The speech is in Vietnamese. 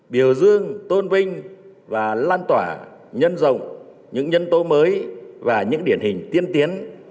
biểu dương tôn vinh và lan tỏa nhân rộng những nhân tố mới và những điển hình tiên tiến